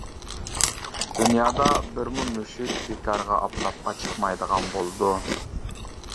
دۇنيادا بىرمۇ مۈشۈك بىكارغا ئاپتاپقا چىقمايدىغان بولىدۇ.